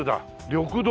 「緑道」。